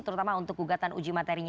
terutama untuk gugatan uji materinya